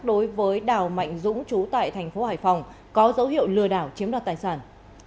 đối với đào mạnh dũng trú tại tp hải phòng có dấu hiệu lừa đảo chiếm đoạt tài sản